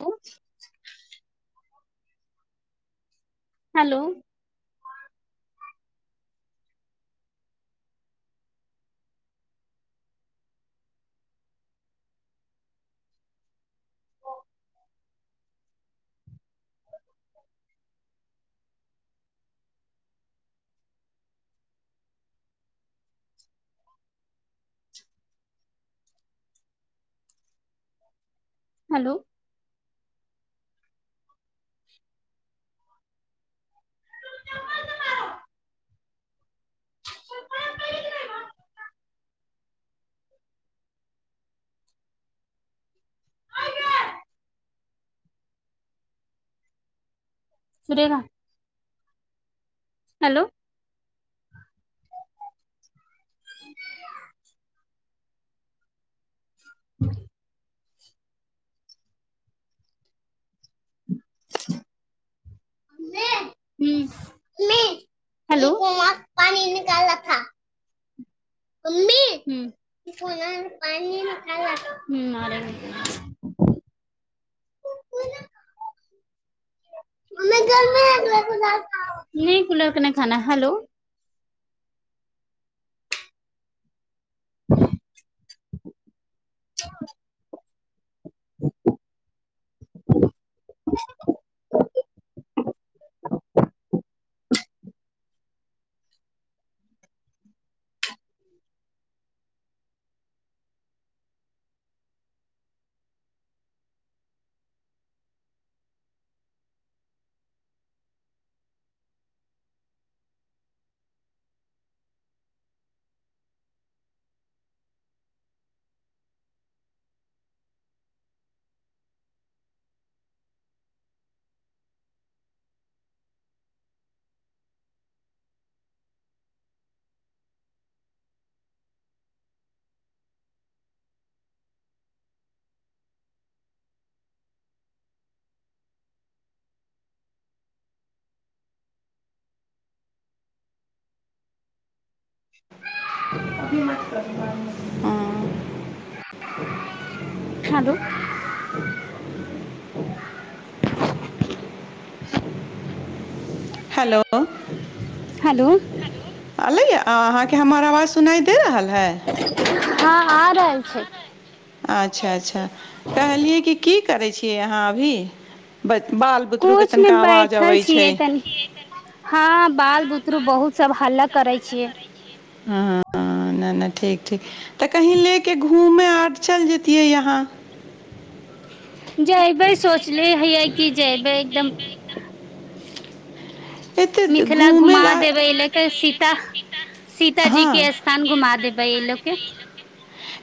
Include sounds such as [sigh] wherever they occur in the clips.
ह hello hello [unintelligible] ुरेा hello ह्म hello पान निकालखा अम्मी ह फ पान ख नहि कूलर क खान हैेलो ह [unintelligible] हँ हेलो हेलो हेलो अयलैए अहाँके हमर आवाज सुनाइ दे रहल है हँ आ रहल छै अच्छा अच्छा कहलियै कि की करै छियै अहाँ अभी बाल बुतरूके कोच मे तनिका आवाज बैठल अबै छै छियै तनी हँ बाल बुतरु बहुत सब हालक करै छियै ह न ठीक ठीक तऽ कहीं लेके घूमै आर चलि जेतिियै यहाँ [inaudible] जयबै सोचले हयै कि जयबै एकदम [inaudible] एतेक मिथिला घूमय घुमा लए देबै एहि लऽके सीता सीतााजी के सीताजी स्थान घुमा देबै एहि लऽके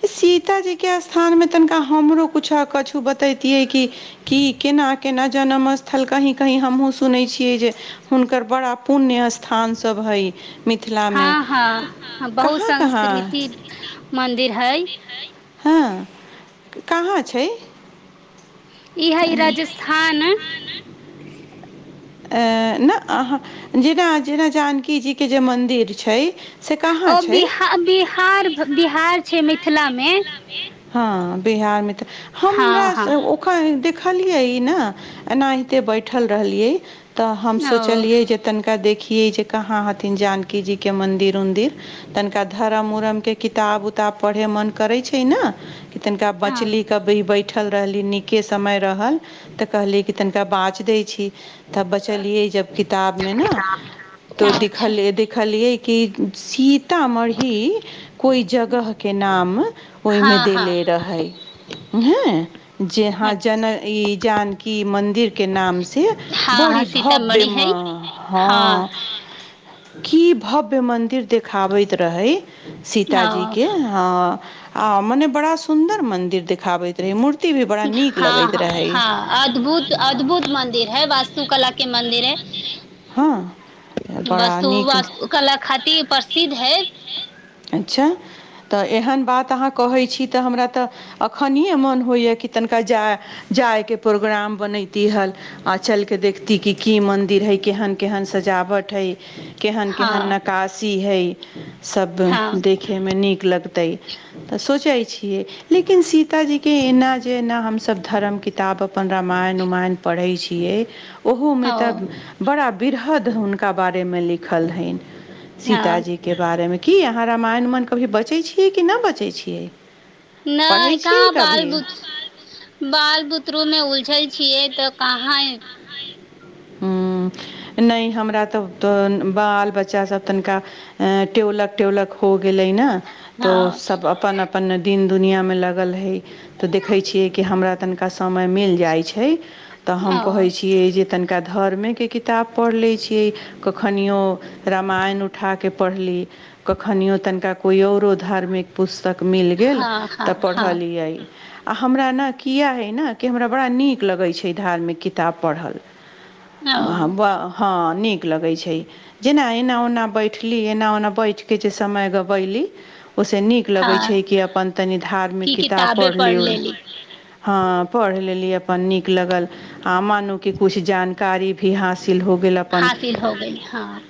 सीताजीके स्थानमे तनिका हमरो किछु किछु बतैतियै कि क के नाम केना जनम स्थल कही कही हमहहुँ सुनै छियै जे हुनकर बड़ा पुण्य स्थान सभ हइ मिथिलामे हँ हँ बहुत कहाँ कहाँ संस्कृति मंदिर हई हँ कहाँ छै ह इह ई राजस्थान अ ने अहाँ जेना जेना जानकी जी के जे मन्दिर छै से कहाँ ओ बि छै बिहार बिहार छै मि मिथिला मे हँ बिहारमे हम हँ हँ देखलियै ई न एनाहिते बैठल रहलियै तऽ हम ओ सोचलियै जे तनिका देखिये जे कहाँ हथिन जानकी जी के मंदिर उंदिर तनिका धरम उरम के किताब उताब पढ़े मन करे छै छै न तनिका बछली क बैय बैह बैठल रहली नीके समय रहल तऽ कहली कि तनिका बाच दै छी तब बचलियै जब किताब मे न तो दिखअ अच्छा देखिलियै की शी सीतामढ़ी कोइ जगह के नाम ओहिमे हँ हँ देले रहै हँ जेहाँ जन ई जानकी मन्दिर के नाम से हँ हँ बड़ी भव्य सीतामढ़ी म हई हँ की भव्य मन्दिर देखाबैत रहै सीतााजी ओ के ह ह मने बड़ा सुंदर मंदिर देखाबैत रहे मूर हँ हँ हँ अद्भुत अद्भुत मन्दिर हई वास्तु कला के मन्दिर हई हँ बड़ा वस्तु नीक वस्तु कला खातिर प्रसिद्ध हई अच्छा तऽ एहन बात अहाँ कहै छी तऽ हमरा तऽ एखनिए मोन होइए कि तनिका जा जायके प्रोग्राम बनैती हल आ चलि कऽ देखती कि की मन्दिर हइ केहन केहन सजावट हइ केहन हँ केहन नकास ती हई सब हँ देखे मे नीक लग तइ सोचै छियै लेकिनी सिता ता जी के एना जना हम सब धर्म किताब अपन रामायण उमायन पढ़ै छी छियै ओहूमे ओ तऽ बड़ा वृहद हुनका बारेमे लिखल हैन हँ सीतााजी के बारेमे की अहाँ रामायण मन कभी बचै छियै कि न बचै छियै पढ़ै नइ छियै कहाँ बाल कभी बु बाल बुत्ररू मे उलझल छियै तऽ कहाँ नहि हमरा तऽ बाल बच्चासभ तनिका टोलक टेबलक होग भेलैइ न तो हँ सब अपन अपन दिन दुनियांमे लगल है तऽ देखै छियै कि हमरा तनिका समय मिल जाइ छै तऽ हम कहैत ओ छियै जे तनिका धर्मेके किताब पढ़ि लै छियै कखनियो रामायण उठाके पढ़ली कखनियो तनिका कोइ आओरो धार्मिक पुस्तक मिल गेल हँ हँ तऽ हँ पढ़लियै आ हमरा ने किए हय ने कि हमरा बड़ा नीक लगै छै धार्मिक किताब पढ़ल ओ हँ नीक लगै छै जेना एना ओना बैठली एना ओना बैठ किछु समय गबयली ओहिसँ नीक लगै छै हँ कि अपन तनी धार्मिक की किताब किताबे पढ़ लिउल लेली हँ पढ़ लेली नीक लगल आमानु कि किुछ जानकारी भी हास हासिल हो गेल अपन हासिल हो गेल हँ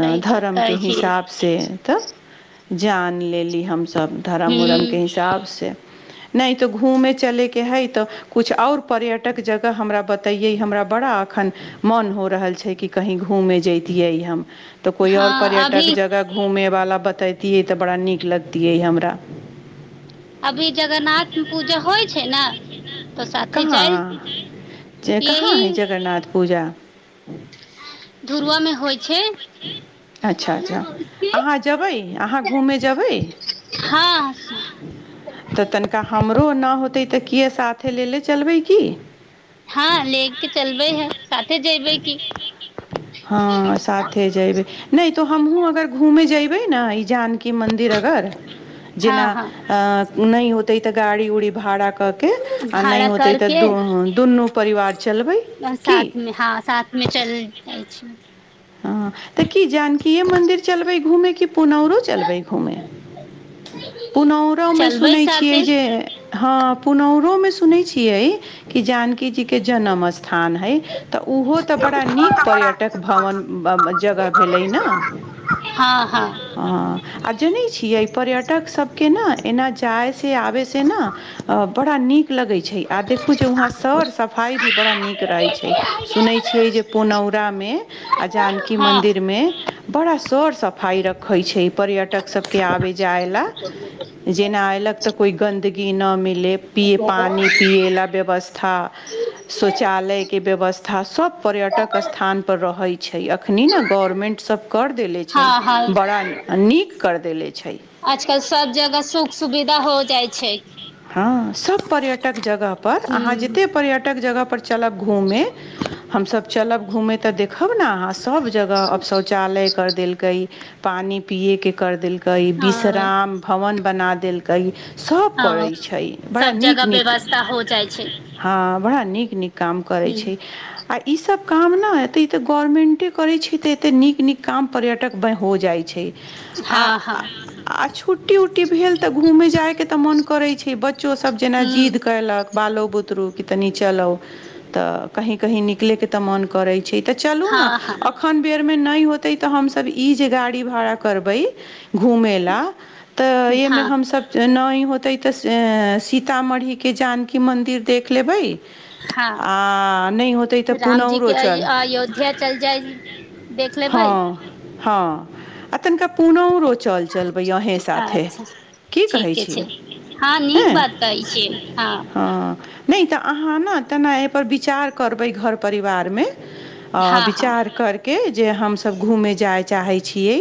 सही बात धरमके करै छियै हिसाबसँ तऽ जान लेली हम सब धरम उरमके हूँ हिसाबसँ नहि तऽ घूमे चलैके हइ तऽ कुछु आओर पर्यटक जगह हमरा बतैयै हमरा बड़ा अखन मन हो रहल छै कि कही घूमे जैतियै हम तऽ कोइ आओर हँ पर्यटक अभी जगह घूमे वाला बतैयतियै तऽबरा नीक लगतियै हमरा अभी जगन्नाथ पूजा होइ छै ने तऽ साथे कहाँ जाइ जे कहाँ यही हइ जगरनाथ पूजा धुरव मे होइ छै आहा जबै आहा घूमे जबै हँ तो तनका हमरो ना तै तऽ किए साथे लेले चलबै की हँ ले के चलबै है साथे जेबै की हँ साे नहि त हमहुँ अगर घूमे जेयबे ने ई जान की मन्दिर अगर जेना हँ हँ अ नै होतै तऽ गाड़ी उड़ी भारा कऽ के आ नै भाड़ा होतै तऽ करके दुनु परिवार चलबै की साथ मे हँ साथ मे चल जाइ छी हँ हँ हँ तऽ की जानकीे मंदिर चलबै घूमे कि पुनौरो चलबै घूमे पुनौरोमे चलबै सुनैत छियै साथे जे हँ पुनौरोमे सुनै छियै कि जानकी जीके जन्म स्थान हइ तऽ ओहो तऽ बड़ा नीक पर्यटक भवन जगह भेलै ने हँ हँ हँ आ जनै छियै पर्यटकसभके ने एना जायसँ आबयसँ ने बड़ा नीक लगैत छै आ देखू जे वहाँ सर सफाइ भी बड़ा नीक रहैत छै सुनै छियै जे पुनौरामे आ जानकी हँ मंदिर मे बड़ा सर सफाइ रखै छै पर्यटक सबके आबे जाय ला जेना अयलक तऽ कोइ गन्दगी न मिलै पिए पानि पिए लए व्यवस्था शौचालय के व्यवस्था सभ पर्यटक स्थान पर रहय छै अखनी ने गवर्मेंट सब कर देले छै हँ हँ बड़ा नीक कर देले छै आजकल सब जगह सुख सुविधा हो जाइ छै हँ सब पर्यटक जगह पर अहाँ ह जते पर्यटक जगह पर चलब घूमे हमसब चलब घूमे तऽ देख खब ने अहाँ सब जगह अब शौचालय कर देलकै पानि पियए के कर देल कै हँ विश्राम भवन बना देलकै सब करै हँ छै बड़ा सब नीक जगह नीक व्यवस्था हो जाइ छै हँ बड़ा नीक नीक काम करै छै आ ई सभ काम ने एतऽ ई तऽ गवर्नमेन्टे करै छै तऽ एतेक नीक नीक काम पर्यटकमे हो जाइ छै ह आ हँ हँ आ छुट्टी उट्टी भेल तऽ घूमे जाय के तऽ मन करे छै बच्चोसभ जेना ह जिद कयलक बालो बुतरू कि तनी चलो तऽ कही कहीं निकले के तऽ मन करै छै तऽ चलू ने हँ हँ अखन बेड़ नहि होतै तऽ हमसभ ई जे गाड़ी भाड़ा करबै घूमे ला तऽ एहि मे हँ हमसब न होतै तऽ सीतामढ़ीके जानकी मन्दिर देख लेबै हँ आओर नहि होतै तऽ रामजी पुनौरो के चल अयोध्या चल जाय देख हँ लेबै हँ तनिका पुनौरो चल चलबै अहेँ साथे अच्छा की कहै ठीके छी छै हँ नीक हेँ बात कहै छियै हँ नहि तऽ अहाँ ने तेना एहि पर विचार करबै घर परिवार मे हँ हँ विचार करके जे हमसब घूमे जाइ चाहै छियै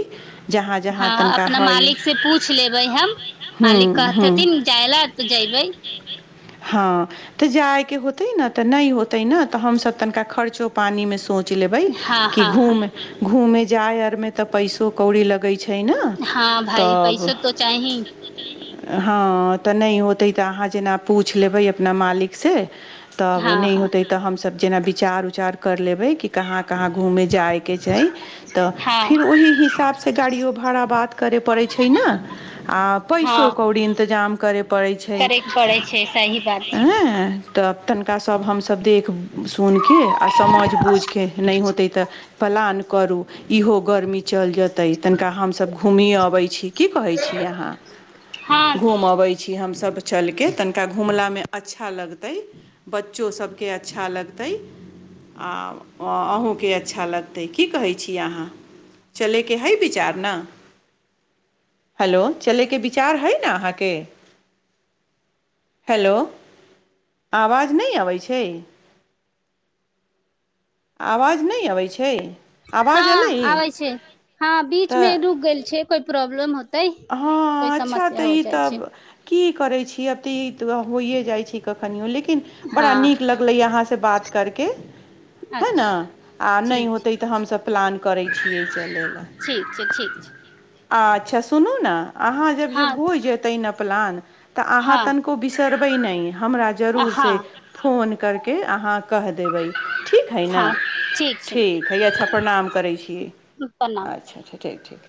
हँ अपना मालिक से पूछि लेबै हम हँ मालिक हँ कहतेथिन जाय लऽ तऽ जेबै त जाय के होते न तऽ नहि होते न तऽ हमसब तनिका खर्चो पानी मे सोच च लेबै हँ कि हँ हँ घूम घूमै जाइ आर मे त पैसो कौड़ी लगे छै ने हँ भइ तब पैसो त चाही हँ तऽ नइ होतै तऽ अहाँ जेना पूछि लेबै अपना मालिक से तब हँ नइ हँ होतै तऽ हमस जेना विचार उचार कर लेबै कि कहाँ कहाँ घुमेै जाइके छै तऽ फिर हँ ओहि हिसाबसँ गाड़ियो भाड़ा बात करै पड़ै छै ने आ पैसो हँ कोड़ी जाम करै परै छै करैके पड़ै छै सही बात छै ऐ तनिकाभ हमसभ देख सुनके आ समझ बूझ के नइ होतै तऽ पलान करू इहो गर्मी चल जेतै तनिका हमसभ घुमियो अबै छी की कहै छी अहाँ हँ अबै हमसब चल के तनिका घुमला मे अच्छा लगतै बच्चो सबके अच्छा लगतै आ ओ आहूँ के अच्छा लगतै की कहै छियै आहाँ चलै के हइ बिचार न हलो चलै केऽ बिचार हइ हई न आहाँ के हेलो आवाज मह अबै छै आवाज नहि अबै छै हँ आवाज अएलै आबै छै हँ बीच तऽ मे रुक गेल छै कोइ प्रॉब्लम हो होतै कोइ हँ अच्छा समस्या तऽ ई जाइ छै तऽ की करै छीयै आब तऽ ई होइए जाइ छै कखनियो लेकिन बड़ा हँ नीक लगले य अहाँ से बात करके है न अच्छा आ नहि ठीक होतै तऽ हमसभ प्लान करै छिय चलय ल छै ठीक छै ठीक छै अच्छा सुनू न अहाँ जब जब हँ होइ जेतै ना प्लान तऽ अहाँ हँ तनिको बिसरबै नइ हमरा जरूर हँ से फोन कर के अहाँ कहि देबै ठीक हइ न हँ छै ठीक हइ अच्छा प्रणाम करै छियै प्रणाम अच्छा अच्छा ठीक ठीक